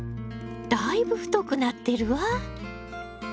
だいぶ太くなっているわ！